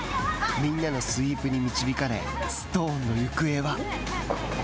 みんなのスイープに導かれストーンの行方は？